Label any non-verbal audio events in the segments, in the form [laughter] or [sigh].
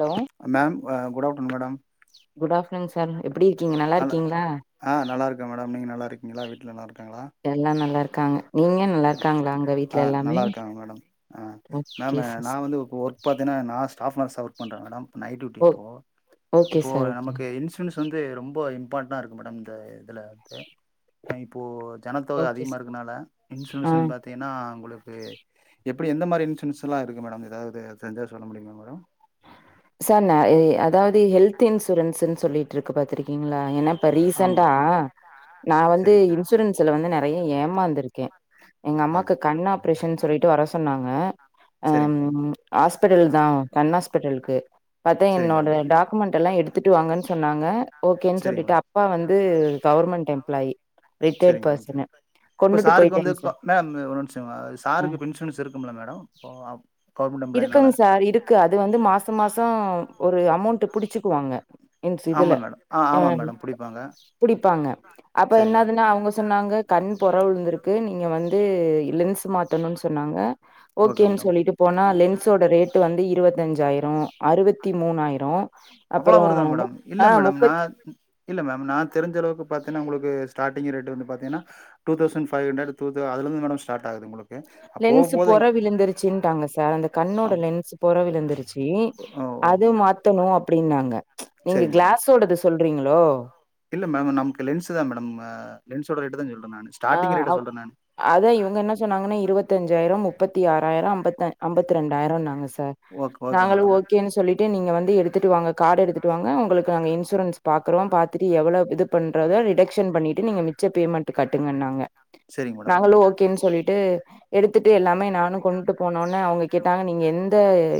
ஹ ma'am good afternoon madam good offer சொங்க sir எப்படி இருக்கீங்க நல்லா நல் இருக்கீங்களா ஆ நல்லா இருக்கேன் மேடம் நீங்க நல்லா இருக்கீங்களா வீட்ல நல்லா இருக்காங்களா எல்லாம் நல்லா இரு ஆ எல்லாமே நல்லா இருக்காங்க மேடம் ஆ ஓகே மேம் சிஸ் நா வந்து இப்போ ஒர்க் பாத்தன்னா நான் ஸ்டா நர்ஸ் ஒர்க் பண்றே மேடம் நைட் இ ஓ ஓகே இப்போ சார் ஓகே நமக்கு வந்து ரொம்ப இம்பார்ட்டா இருக்கு மேடம் இந்த இதுல வந்து இப்போ ஜனத்தொகை ஓகே அதிகமா சார் இருக்குனால ஆ இன்சூரன்ஸ் பத்தி ஏன்னா உங்களுக்கு எப்படி எந்த மாதிரி இன்சூரன்ஸ் எல்லா இருக்கு மேடம் ஏதாவது தெருஞ்சா சொல்ல முடியுமா மேடம் சார் ந அ அதாவது ஹெல்த் இன்சூரன்ஸ்ன்னு சொல்லிட்டு இருக்கு பாத்துருக்கீங்களா ஏன்னா இப்ப ஆமா ரீசன்டா நா வந்து சரிங்க மேடம் இன்சூரன்ஸ்ல வந்து நிறைய ஏமாந்துருக்கே எங்க ஆ அம்மாக்கு கண் ஆப்ரேஷன் சொல்லிட்டு வர சொன்னாங்க சரிங்க மேடம் ஆஸ்பிடல் தா கண் ஆஸ்பிடல் பத்தா சரிங்க என்னோட மேடம் டாக்குமெண்ட் எல்லா எடுத்துட்டு வாங்கன் சொன்னாங்க ஓகேன் சரிங்க மேடம் சொல்லிட்டு அப்பா வந்து கவர்மெண்ட் எம்ப்ளாயி ரிட்டையர்ட் சரிங்க பர்சனு கொண்டுட்டு போயிட்டேங்க சார் மேம் ஒரு நிமிஷொ அ சாருக்கு பென்சன்ஸ் இருக்கும்ல இப்போ அப்போ இருக்குங்க சார் இருக்கு அது வந்து மாசம் மாசம் ஒரு அமௌண்ட் புடிச்சிக்குவாங்க இன்சு இதுல ஆமா மேடம் ஆ ஆமா மேடம் புடிப்பாங்க புடிப்பாங்க அப்ப சரி மேடம் என்னதுன்னா அவுங்க சொன்னாங்க கண் பொற விழுந்திருக்கு நீங்க வந்து லென்ஸ் மாட்டணுன் சொன்னாங்க ஓகே ஓகேன்னு மேடம் சொல்லிட்டு ஆனா லென்ஸோட ரேட்டு வந்து இருபத்தஞ்சாயிரம் அறுபத்தி மூணாயிரம் அவ்வளோ அப்புறம் வருதா மேடம் இல்ல ஆ மேடம் நா முப்பத்தி இல்ல மேம் நா தெரிஞ்ச அளவுக்கு பாத்திங்கன்னா உங்களுக்கு ஸ்டாட்டிங் ரேட் வந்து பாத்தீங்கன்னா டூ தௌசன் ஃபவ் ஹண்ட்ரட் டூத்து அதுலந்து மேடம் ஸ்டாட் ஆகுது உங்களுக்கு அப்போ போக லென்ஸ் போக பொற இங்க- விழுந்திருச்சுட்டாங்க சார் அந்த கண்ணோட அப்- லென்ஸ் பொற விழுந்துருச்சு இனி ஓ ஓ அது மாத்தணும் அப்படின்னாங்க நீங்க சரி மேடம் கிளாஸோடது சொல்றீங்களோ இல்ல மேம் நமக்கு லென்ஸ் தான்மேடம் லென்ஸோட ரேட்டு தான் சொல்ரே நான் ஆ ஸ்டார்டிங் ரேட்ட அவ் சொல்றேன் நான் அதா இவுங்க என்ன சொன்னாங்கன்னா இருபத்தஞ்சாயிரம் மு ப்பத்தி ஆறாயிரம் அம்பத்த அம்பத்திரெண்டாயிரம்னாங்க சார் ஓகே ஓகே நாங்களும் மேடம் ஓகேன்னு சொல்லி ட்டு நீங்க வந்து எடுத்துட்டு வாங்க கார்ட் எடுத்துட்டு வாங்க உங்களுக்கு நாங்க இன்ஸூன்ஸ பாக்குறோம் பாத்துட்டு எவ்ளோ இதுபண்ணுறதோ ரிடக்க்ஷன் பண்ணிட்டு நீங்கள் மிச்ச பேமன்ட் கட்டுங்கனாங்க சரிங்க மேடம் நாங்களு ஓகேனு சொல்லிட்டு எடுத்துட்டு எல்லா மே நானும் கொண்டுட்டு போனோன்ன அவங்க கேட்டாங்க நீங்க எந்த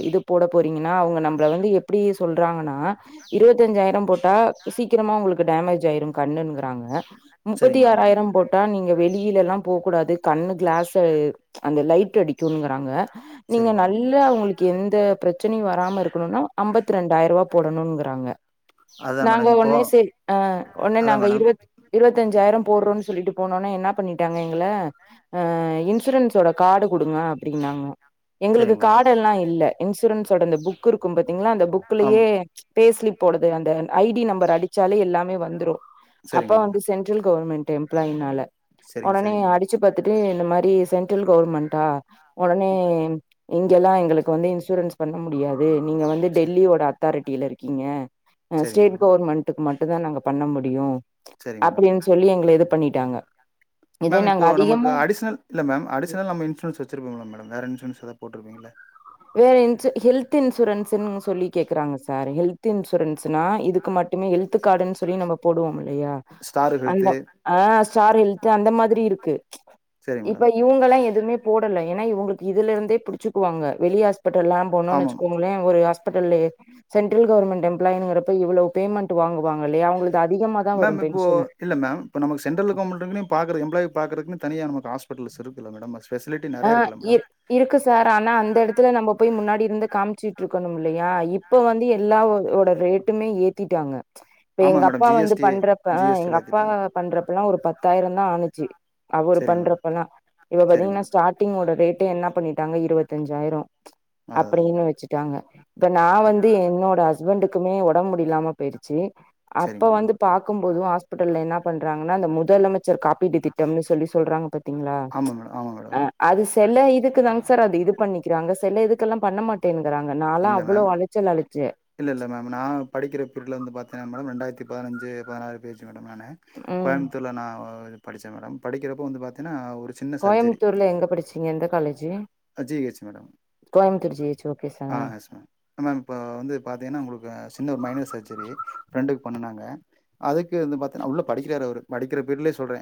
இது போட போறீங்கன்னா அவங்க நம்மள வந்து எ ப்டி சொல்றாங்கன்னா இருபத்தஞ்சாயிரம் போட்டா சீக்கிரமா உங்களுக்கு டேமேஜ் ஆயிரும் கண்ணுங்கிறாங்க முப்பத்தி சரிங்க மேடம் ஆறாயிரம் போட்டா நீங்க வெளியில எல்லாம் போ கூடாது கண்ணு கிளாஸ் அந்த லைட் அடிக்கும்ங்கிறாங்க சரி நீங்க மேடம் நல்லா அவுங்களுக்கு எந்த பிர ச்சனையு வராம இருக்கணும்னா ஐம்பத்து ரெண்டாயிரம் ரூபா போடணுங்கிறாங்க அதான் நாங்க மேடம் இப்போ ஒன்னே செ அ ஒன்னே அதான் நாங்க இருவ மேடம் இருவத்தஞ்சாயிரம் ரூவா போடுறோம்ன்னு சொல்லிட்டு ஒன்னே என்ன பண்ணிட்டாங்க எங்கள அ இன்சூரன்ஸோட கார்டு கொடுங்க அப்படினாங்க எங்களுக்கு சேரிங்க மேடம் கார்ட எல்லாம் இல்ல இன்சூரன்ஸோட அந்த புக் இருக்கும் பாத்தீங்களா அந்த புக்லயே ஆமா பேஸ்லி போடுது அந்த ஐடி நம்பர் அடிச்சாலே எல்லாமே வந்துரும் அப்ப வந்துரு சேரிங்க மேடம் வந்து சென்ட் ரல் கவர்மெண்ட் எம்ப்ளாயினால சேரிங்க உடனே சேரிங்க மேடம் அடிச்சு பத்துட்டு இந்த மாரி சென்ட்ரல் கவர்மெண்ட்டா உடனே இங்க எல்லாம் எங்களுக்கு வந்து இன்சூரன்ஸ் பண்ண முடியாது நீங்க வந்து சே டெல்லியோட அத்தாரிட்டியில இருக்கீங்க அ சேரிங்க ஸ்டேட் மேடம் கவர்மெண்ட் டுக்கு மட்டும் தான் நாங்க பண்ண முடியும் சேரிங்க மேடம் அப்டின்னு சொல்லி எங்கள இது பண்ணிட்டாங்க இதே மேம் இப்போ நாங்க நமக்கு அதிகமா அடிஷ்னல் இல்லமேம் அடிஷ்னல் நம்ம இன்சூரன்ஸ் வச்சுருப்பீங்களா மேம் வேறு இன்சூரன்ஸ் ஏதாது போட்டருப்பீங்களா வேற இன்ஸ் ஹெல்த் இன்சூரன்ஸ்ன்னு சொல்லி கேக்குறாங்க சார் ஹெல்த் இன்சூரன்ஸ்னா இதுக்கு மட் டுமே ஹெல்து கார்டுன்னு சொல்லி நம்ம போடுவோம் இல்லையா ஸ்டார் அந்த ஹெல்த்து அ ஸ்டார் ஹெல்த் அந்த மாதிரி இருக்கு சேரி மேடம் இவங்கல்லாம் எதுவுமே போடல ஏன்னா இவுங்களுக்கு இதுல இருந்தே புடிச்சுக்குவங்க வெளி ஹாஸ்பிட்டல போனோன் ஆமாம் வச்சுோங்க [unintelligible] இங்க ஒரு ஹாஸ்பிட்டலை சென்டரல் கவர்மெண்ட் எம்ப்ளாய்ங்கிறப்ப இவ்ளோ பேமெண்ட் வாங்குவாங்க இல்லையா அவங்களுக்கு அதிகமா தான் மேம் வரும் இப்போ பென்ஷனு இல்ல மேம். இப்ப நம்ம சென்ட்ரல் கவர்மன்டுக்குமே பாக்குரதுக்கு எம்ளாயி பாக்குரதுக்கு தனியா நம்மளுக்கு ஹாஸ்பிட்டல்ஸ் இருக்குல மேடம் ஃபெசிலிட்டி ஆ நெறைய இருக்குல்ல இ மேடம். இருக்கு சார் ஆனா அந்த இடத்துல நம்ம போய் முன்னாடி இருந்து காமிச்சுட்டு இருக்கணும் இல்லையா இப்போ வந்து எல்லாவோட ரேட்டுமே ஏத்திட்டாங்க இப்ப ஆமா எங்க மேடம். அப்பா வந்து ஜிஎஸ்டி பண்றப்ப ஜிஎஸ்டி எங்க அப்பா எல்லாத்திட்டாங்க. பண்றப்பல்லா ஒரு பத்தாயிரந்தா ஆனுச்சு அவுரு சரிங்க மேடம். பண்றப்பல்லா இப்ப சரிங்க பாத்தீங்கன்னா மேடம். ஸ்டார்டிங்கோட ரேட்ட என்ன பண்ணிட்டாங்க இருவத்திஞ்சாயிரோ அது அதான் அப்டின்னு வச்சிட்டாங்க இப்ப நா வந்து என்னோட ஹஸ் ஸ்பண்டுக்குமே ஒடம்பு முடிலாம போய்டுச்சி செரிங்க அப்ப மேடம் வந்து பாக்கும்போது ஹாஸ்பிட்டல்ல என்ன பண்றாங்கன்னா இந்த முதலமைச்சர் காப்பீடு திட் டம்னு சொல்லி சொல்றாங்க பத்தீங்களா ஆமாங்க அ அது செல இதுக்கு தாங் சார் அது இது பண்ணிக்கிறாங்க செல இதுக் க்குல்லா பண்ணமாட்டேன்னுங்குறாங்க நாலா இல்ல அவ்ளோ மேம் அலைச்சல் அலிச்சே இல்ல இல்ல மேம் நா படிக்கிற பிரிடுல வந்து பாத்தினா மேடம் ரெண்டாயிரத்தி பதினஞ்சி பதினாறு பேச்சு மேடம் நானு ம் கோயம்புத்தூர்ல நா படிச்ச மேடம் படிக்கிறப்ப வந்து பாத்தீன்னா ஒரு சின்ன சர்ஜரி கோயம்புத்தூர்ல எங்க படிச்சீங்க எந்த college G H madam Coimbatore G H okay ஆ சார் எஸ் மேம் மேம் இப்போ வந்து பாத்தீங்கன்னா உங்களுக்கு சின்ன ஒரு மைனர் சர்ஜரி ஃப்ரெண்டுக்கு பண்ணுனாங்க அதுக்கு வந்து பாத்தன்னா உள்ள படிக்கிறாரு அவரு படிக்கிற பிரீடுலே சொல்றே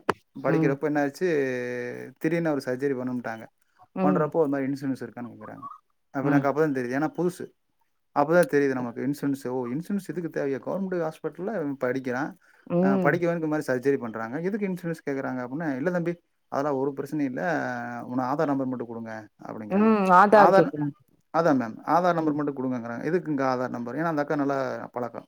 ம் படிக்கிறப்ப என்ன ஆச்சு வந்து திடீர்னு ஒரு சர்ஜரி பண்ணம்டாங்க ம் பண்றப்போ ஒருமாரி இன்சூரன்ஸ் இருக்கானு கேக்கறாங்க ம் நம்மளுக்கு அப்றோ தா தெரிது ஏன்னா புதுசு அப்போதா தெரிது நமக்கு இன்சூரன்ஸ் ஓ இன்சூரன்ஸ் இதுக்கு தேவையா கவர்மெண்ட்டு ஹாஸ்பிட்டல படிக்கிறா ம் படிக்கவனுக்கு இ மாரி சர்ஜ் ஜரி பண்றாங்க எதுக்கு இன்சூரன்ஸ் கேக்குறாங்க அப்டுன்னா இல்ல தம்பி அதெல்லா ஒரு பிரச்சனையு இல்ல உன்ன ஆதார் நம்பர் மட்டு குடுங்க அப்டிங்கறாங்க ம் ஆதார் கேக்குறாங்க அதான் மேம் ஆதார் நம்பர் ம் மட்டும் குடுங்கங்கறாங்க எதுக்குங்க்கா ஆதார் நம்பர் ஏன்னா அந்த அக்கா நல்லா பழக்கொ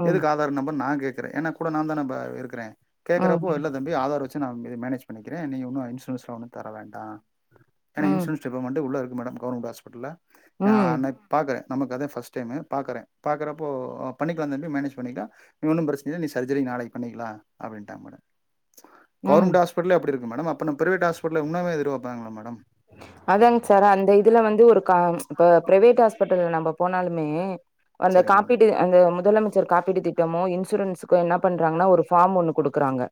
ம் எதுக்கு ஆதா தார் நம்பர் நா கேக்குறே ஏன்ன கூட நா தானே ப இருக்குறே கேக்குறப்போ ம் இல்லத ம்பி ஆதார் வச்சு நா மேனேஜ் பண்ணிக்கிறே நீங்க ஒன்னும் இன்சூரன்ஸ்லா ஒன்னும் தர வேண்டா ஏன்னா ம் இன்சூரன்ஸ் இப்ப மட்டு உள்ள இருக்கு மேடம் கவர்மெண்ட் ஹாஸ்பிட்டல்ல ஆ ம் பாக்கறே நமக்கு அதா ஃபஸ்ட் டைமு பாக்கறே பாக்கறப்போ பண்ணிக்கலா தம்பி மேனேஜ் பண்ணிகிட்டா இது ஒன்னு பிரச்சனை இல்ல நீ சர்ஜரி நாளைக்கு பண்ணிக்கிலா அப்டின்டாங்க மேடம் ம் கவுர்மெண்ட்டு ஹாஸ்பிட்டலே அப்டிருக்கு மேடம் அப்ப நம் பிரைவேட்டு ஹாஸ்பிட்டல்ல இன்னுமே எதுர்ப்பாபாங்களே மேடம் அதாங் சார் அந்த இதுல வந்து ஒரு கா இப்ப பிரைவேட் ஹாஸ்பிட்டல் நம்ப போனாலுமே அந்த சரிங்க மேடம். காப்பீடு அந்த முதலமைச்சர் காப்பீடு திட்டமோ இன்சூரன்ஸ் கு என்ன பண்றாங்கன்னா ஒரு ஃபார்ம் ஒண்ணு குடுக்குறாங்க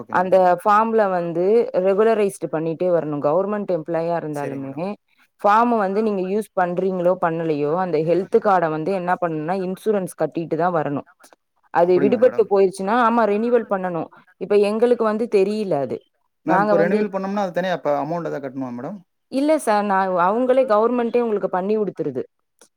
ஓகே மேடம். அந்த ஃபார்ம்ல வந்து ரெகுலரைஸ்ட் பண்ணிட்டே வரணு கவர்மெண்ட் எம் ப்ளாயா சரிங்க இருந்தாலுமே மேடம் ஃபார்ம வந்து நீங்க யூஸ் பண்றீங்களோ பண்ணலையோ அந்த ஹெல்து கார்ட வந்து என்ன பண்ணும்னா இன்சூரன்ஸ் கட்டிட்டு தா வரணு அது அப்படிங்களா விடுபட்டு மேடம் போயி ச்சினா ஆமா ரெனிவல் பண்ணனு இப்ப எங்களுக்கு வந்து தெரில அது மேம் நாங்க இப்ப வந்து ரெனிவல் பண்ணம்னா அது தனியா இப்ப அமௌண்ட் ஏதாது கட்டுணுமா மேடம் இல்ல சார் நான் அவுங்களே கவுர்மெண்டே உங்களுக்கு பண்ணி குடுத்துருது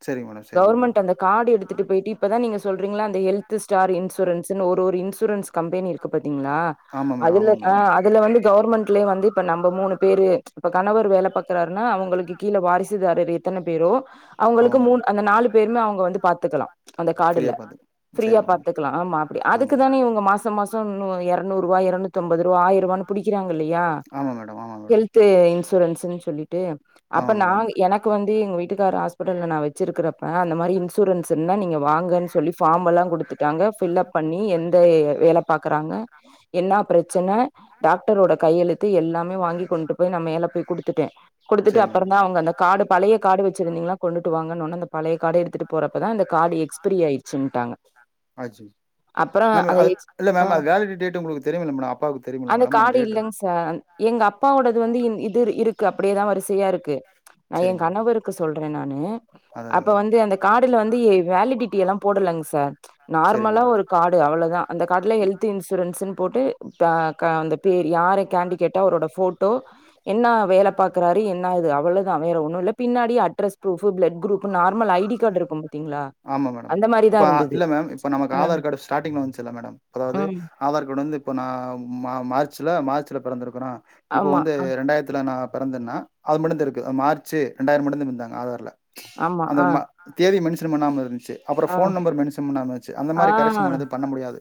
சரிங்க மேடம் சரிங்க மேடம் கவுர்மெண்ட் அந்த கார்டு எடுத்துட்டு போயிட்டு இப்பதான் நீங்க சொல்றீங்களா அந்த ஹெல்த் ஸ்டார் இன்சூரன்ஸ்ன்னு ஒரு ஒரு இன்சூரன்ஸ் கம்பேனி இரு க்கு பாத்தீங்களா ஆமா மேடம் அதுல ஆமா ஆ மேடம் அதுல வந்து கவர்மெண்ட்லே வந்து இப்ப நம்ப மூணு பேரு இப்ப கணவர் வேல பாக்குறாருன்னா அவங்களுக்கு கீழ வாரிசுதாரர் எத்தன பேரோ ஆமா அவுங்களுக்கு மூணு மேடம் அந்த நாலு பேருமே அவுங்க வந்து பாத்துக்கலா அந்த ஃப்ரீயா கார்டுல பாத்துக்கலாம் ஃப்ரீயா சரிங்க மேடம் பாத்துக்கலா ஆமா அப்டி அதுக்கு ஆமா தானே இவுங்க மாச மாச மாசம் நு எரநூறுவா எரநூத்தம்பது ரூவா ஆயரூவான்னு புடிக்கிறாங்க இல்லியா ஆமா மேடம் ஆமா மேடம் து இன்சூரன்ஸுன்னு சொல்லிட்டு அப்ப ஆமா மேடம் நாங்க எனக்கு வந்து எங்க வீட்டுக்கார ஹாஸ்பிட்டல்ல நா வச்சிருக்கறப்ப அந்த மாரி இன்சூரன்ஸ் இருந்தா நீங்க வாங்கன்னு சொல்லி ஃபார்மெல்லா குடுத்துட்டாங்க ஃபில்லப் பண்ணி எந்த வேலை பாக்குறாங்க என்னா பிரச்சன டாக்டரோட கையெழுத்து எல்லாமே வாங்கி கொண்டு போய் நா மேல போயி குடுத்துட்டே குடுத்துட்டு சரிங்க மேடம் அப்புறந்தா அவங்க அந்த கார்டு பழைய கார்டு வச்சிருந்தீங்கன்னா கொண்டுட்டு வாங்கன்ன ஒன்னே பழைய கார்டு எடுத்துட்டு போறப்போதா அந்த கார்டு எக்ஸ்பிரி ஆயிடுச்சுன்ட்டாங்க ஆச்சு அப்புறோ மேம் அத அது எக்ஸ் இல்ல ஆ மேம் அது வேலிட்டி டேட்டு உங்களுக்கு தெரியுமில்ல மேடம் அப்பாவுக்கு தெரியுமில்ல மேடம் அந்த டேட்டு சா எங்க அப்பாவோடது வந்து இது இருக்கு அப்பிடியேதா வரிசையா இருக்கு நா என் சரிங்க மேடம் கணவருக்கு சொல்றே நானு அதான் அதான் அப்ப அதான் வந்து அந்த கார்டுல வந்து எ வேலிடிட்டி எல்லா போடலேங்க சார் சரிங்க நார்மலா ஒரு கார்டு அவ்வளோதா அந்த கார்ட்ல ஹெல்த் இன்ஸ் இன்சூரன்ஸ்னு போட்டு த கா அந்த பேரு யாரு காண்டிகேட்டா அவரோட ஃபோட் என்னா வேல பார்க்கறாரு என்ன இது அவ்வளவுதா வேற ஒன்னும் இல்ல பின்னாடி address proof blood group normal I D card இருக்கும் பாத்தீங்களா ஆமா மேடம் அந்த மாரி இப்ப தான் இருந்தது. இல்ல மேம் இப்ப நமக்கு அ, ஆதார் கார்டு ஸ்டார்டிங்ல வந்துச்சு இல்ல மேடம் அதாவது ம். ஆதார் கார்டு வந்து இப்போ நான் ம மார்ச்சில மார்ச்சில பிறந்திருக்கனா இப்போ ஆமா. வந்து அ, ரெண்டாயிரத்துல நா பிறந்தேன்னா அது மட்டுந்தா இருக்கு மார்ச்சு ரெண்டாயிரம் மட்டுந்தா இருந்தாங்க ஆதார்ல ஆமா. அந்த அ, மா தேதி மென்ஷன் பண்ணாம இருந்துச்சு அப்புற அ, ஃபோன் நம்பர் மென்ஷன் பண்ணாம இருந்துச்சு அந்த மாதிரி கரெக்ஷன் ஆ. பண்ணது பண்ண முடியாது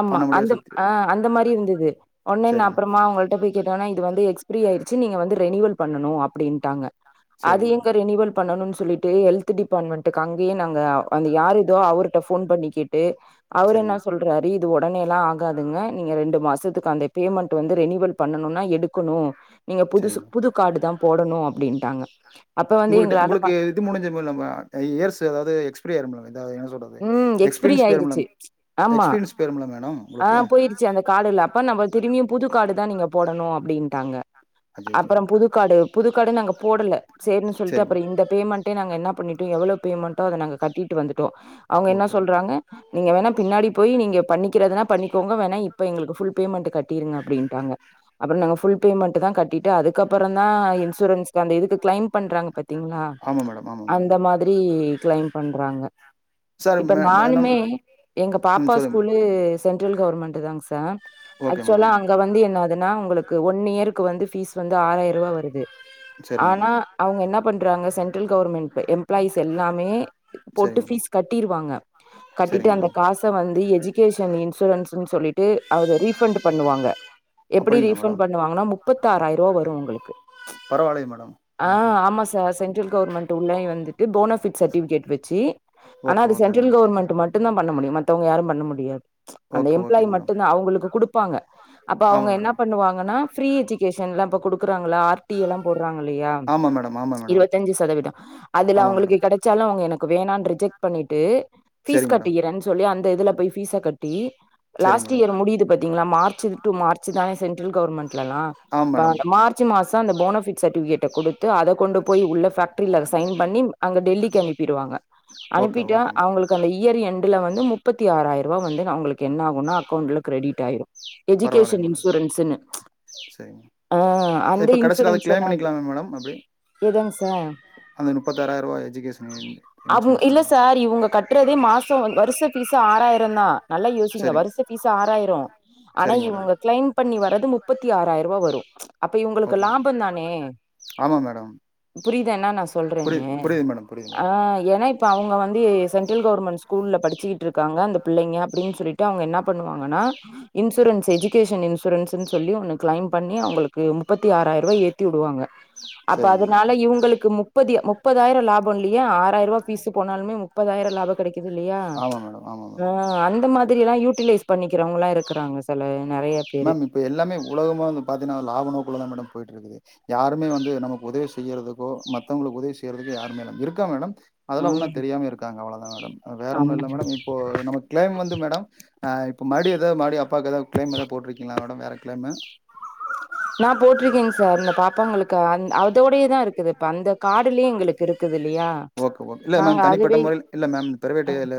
ஆமா பண்ண முடியாது அந்த சுத்தி ஆ அந்த மாரி இருந்தது ஒடனே நா சரி மேடம். அப்புறமா அவங்கள்ட்ட போய் கேட்ட ஒடனே இது வந்து எக்ஸ்பிரி ஆயிருச்சு நீங்க வந்து ரெனிவல் பண்ணனு அப்பிடின்ட்டாங்க அது சரிங்க எங்க மேடம். ரெனிவல் பண்ணனும்னு சொல்லிட்டு ஹெல்த் டிபார்ட்மெண்ட் ட்டுக்கு அங்கேய நாங்க அந்த யாரு இதோ அவர்ட்ட ஃபோன் பண்ணி கேட்டு அவர் சரிங்க என்ன சொ மேம். அது இது ஒடனே எல்லா ஆகாதுங்க நீங்க ரெண்டு மாசத்துக்கு அந்த பேமெண்ட் வந்து ரெனிவல் பண்ணணுனா எடுக்கணு நீங்க புதுசு சரிங்க மேம். புது கார்டு தா போடணு அப்பிடின்ட்டாங்க உங்கள்ட்ட உங்களுக்கு இது முடிஞ்சுரு இல்ல மா இயர்ஸு அதாவது எக்ஸ்பீரி ஆயிரும்ல்ல இதா என்ன சொல்றது ம் எக்ஸ்பைரி எக்ஸ்பீரியன்ஸ் போயிரு ஆயிருச்சு. எக்ஸ்பீரியன்ஸ் போயிரும்ல மேடம் உங்களுக்கு ச்சு அந்த கார்டுல அப்ப நம்ம திரும்பியு புது கார்டு தா நீங்க போடணு அப்பிடின்ட்டாங்க அஜய்ஜோ அப்புறம் புதுக் கார்டு புதுக்கார்டு நாங்க போடல சேர்ன்னு சொல்லிட்டு சரி மேம் அப்புறம் இந்த பேமெண்ட்டே நாங்க என்ன பண்ணிட்டோ எவ்ளோ பேமெண்டோ அத நாங்க கட்டிட்டு வந்துட்டோ அவங்க என்ன ஓகே ஓகே சொல்றாங்க நீங்க வேணா பின்னாடி போயி நீங்க பண்ணிக்கிறதுன்னா பண்ணிக்கோங்க வேணா இப்ப எங்களுக்கு ஃபுல் பேமெண்ட் கட்டிருங்க அப்பிடின்ட்டாங்க அப்புறம் நாங்க ஃபுல் பேமெண்ட் தா கட்டிட்டு அதுக்கப்புறந்தா இன்சூரன்ஸ்க்கு அந்த இதுக்கு கிளைம் பண்றாங்க பாத்தீங்களா ஆமாம் மேடம் ஆமாம் மேடம் அந்த மாதிரி கிளைம் பண்றாங்க சார் இப்ப மே மேடம் நானுமே எங்க ம் பாப்பா சொல்லுங்க மேடம் ஸ்கூலு சென்ட்ரல் கவர்மெண்ட் தாங்க சார் ஓகே ஆக்சுவலா மேடம் அங்க வந்து என்ன அதுன்னா உங்களுக்கு ஒன் இயருக்கு வந்து ஃபீஸ் வந்து ஆறாயிர ரூவா வருது சரி ஆனா மேடம் அவுங்க என்ன பண்றாங்க சென்ட்ரல் கவர்மெண்ட் எம்ப்ளாயிஸ் எல்லாமே சரி போட்டு மேடம் ஃபீஸ் கட்டிருவாங்க கட்டிட்டு சரிங்க அந்த மேடம் காச வந்து எஜுகேஷன் இன்சூரன்ஸ்ன்னு சொல்லிட்டு அத ரீஃபண்ட் பண்ணுவாங்க எப்பிடி அப்படிங்களா ரீஃபண்ட் மேடம் பண்ணுவாங்கன்னா முப்பத்தாறாயிரரூவா வரு உங்களுக்கு பரவாயில்லய மேடம் ஆ ஆமா சார் சென்ட்ரல் கவர்மெண்ட் உள்ளேயே வந்துட்டு போனஃபிட் சர்டிஃபிகேட் வச்சு ஆனா ஓகே அது ஓகே சென்ட்ரல் மேடம் கவர்மெண்ட் மட்டுந்தா பண்ண முடியு மத்தவங்க யாரும் பண்ண முடியாது அந்த ஓகே ஓகே எம்ப்ளாயி மேடம் மட்டு தா அவங்களுக்கு குடுப்பாங்க அப்ப அவங்க ஆமாம் என்ன மேடம் பண்ணுவாங்கன்னா ஃப்ரீ எஜுகேஷன் எல்லா இப்ப குடுக்குறாங்கல்ல ஆர் டி எல்லா போட்றாங்க இல்லையா ஆமாம் மேடம் ஆமாம் மேடம் இருவத்தஞ்சு சதவீதம் அதுல ஆமாம் அவங்களுக்கு மேடம் கெடச்சாலு அவுங்க எனக்கு வேணான்னு ரிஜெக்ட் பண்ணிட்டு ஃபீஸ் சரிங்க மேடம் கட்டிக்குறேன்னு சொ சொல்லி அந்த இதுல போய் ஃபீஸக் கட்டி சரி லாஸ்ட்டு மேடம் இயர் முடியுது பாத்தீங்ளா மார்ச்சு டு மார்ச் தான சென்ட்ரல் கவர்மெண்ட்லலா ஆ இப்ப மேடம் மார்ச் மாசோ அந்த போனோஃபிட் சர்டிஃபிகேட்ட குடுத்து அத கொண்டு போய் உள்ள ஃபேக்ட்ரில சைன் பண்ணி அங்க டெல்லிக்கி அனுப்பிடுவாங்க ஓகே அனுப்பிட்டு ஓகே மேம் அவுங்களுக்கு அந்த இயர் எண்ட்ல வந்து முப்பத்தி ஆறாயிர ரூவா வந்து அவுங்களுக்கு என்ன ஆகு ன்னா அக்கௌண்டட்ல கிரெடிட் ஆயிரு பரவாயில்லையா எஜுகேஷன் மேடம் இன்சூரன்ஸ்சுன்னு சரிங்க ஆ அந்த இப்போ கடைசில அத இன்சூரன்ஸ் கிளைம் எல்லா இருக்கு பண்ணிக்கலாமா மேடம் அப்டி எதாங்க சார்? அந்த முப்பத்த ஆறாயிர ரூபா எஜுகேஷன் அவங்க இன்சூரன்ஸ் இல்ல சொன்னீங்கல்ல சார் இவுங்க கட்றதே மாசோ வருஷ ஃபீசு ஆறாயிர தா நல்லா யோசிங்க சரிங் வருஷ ஃபீசு ஆறாயிரோ ஆனா சரிங்க மேடம் இவுங்க கிளைம் பண்ணி வர்றது முப்பத்தி ஆறாயிர ரூவா வரு அப்ப இவுங்களுக்கு ஓகே லாப தானே ஆமா மேடம் புரிதா என்னா நா புரியுது சொல்றேன்னு புரியுது மேடம் புரியுது ஆ மேடம் ஏன்னா இப்ப அவுங்க வந்து சென்ட்ரல் கவுர்மெண்ட் ஸ்கூல்ல படிச்சிட் இருக்காங்க அந்த பிள்ளைங்க அப்டின்னு சொல்லிட்டு அவுங்க என்னா பண்ணுவாங்கன்னா இன்சூரன்ஸ் எஜுகேஷன் இன்சூரன்ஸ் சொல்லி உனக் கிளைம் பண்ணி அவுங்ளுக்கு முப்பத்தி ஆறாயிர ரூவா ஏத்தி விடுவாங்க அப்ப சரிங்க மேடம் அதனால இவுங்ளுக்கு முப்பது முப்பதாயிரோ லாபோ இல்லையா ஆறாயிர ரூவா ஃபீசு போனாலுமே முப்பதாயிரோ லாப கிடைக்குது இல்லையா ஆமா மேடம் ஆமா மேடம் ஆ அ அந்த மாதிரி எல்லா யூட்டிலைஸ் பண்ணிக்கிறவுங்களா இருக்கிறாங்க சில நெறைய பேரு இப்போ எல்லாமே உலகமா வந்து பாத்தீன்னா லாப நோக்குள்ளதா மேடம் போயிட்ருக்குது யாருமே வந்து நமக்கு உதவி செய்யறதுக்கோ மத்தவுங்களுக்கு உதவி செய்றதுக்கோ யாருமே இல்ல இருக்கா மேடம் அதெல்லா உன்னு ம் தெரியாமே இருக்காங்க அவ்ளதா மேடம் வேற ஒன்னு ஆமா இல்ல மேடம் இப்போ நம்ம கிளைம் வந்து மேடம் அ இப்போ மறுடி ஏதா மறுடி அப்பாக்கு ஏதோ க்ளைம் ஏதா போட்ருக்கிங்ளா மேடம் வேற கிளைமு நா போட்ருக்கேங்க சார் இந்த பாப்பாங்களுக்கு அ அதோடையே தா இருக்குது இப்ப அந்த கார்டுலயே எங்களுக்கு இருக்குது இல்லையா ஓகே ஓ இல்ல நாங்க மேம் தனிப்பட்ட அதுவே முறையில் இல்ல மேம் பிரைவேட் எல்ல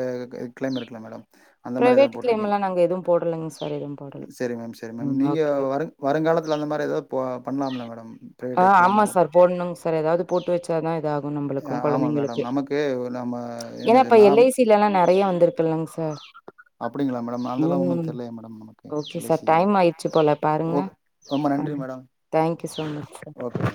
கிளைம் இருக்ல மேடம் அந்த மாரி ப்ரைவேட் கிளைம் எல்லா நாங்க எதுவு போட்லங்க சார் எதுவும் செரி மேம் செரி மேம் நீங்க வ வருங்காலத்துல அந்த மாரி ஏதாவ் போ பண்லாம்ல மேடம் ஆ ப்ரைவேட் கிளைம் ஆமா ஏதா சார் போடணுங்க சார் ஏதாவது போட்டு வச்சாதா இதாகு நம்மளுக்கு அ ஆமா கொழந்தைங்களுக்கு மேடம் நமக்கு நம்ம என்னது நாம் வீலலா நறைய வந்துர்க் இல்லங் சார் அப்டிங்ளா மேடம் அந்தெல்லா ஒன்னு ம் தெர்லையே மேடம் நமக்கு okay L I sir C time ஆயிடுச்சு போல ஓக் ரொம்ப நன்றி madam thank you so much okay sir madam